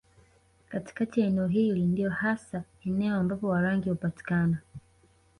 Katikati ya eneo hili ndiyo hasa eneo ambapo Warangi hupatikana